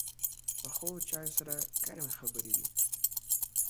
پخو چایو سره ګرمې خبرې وي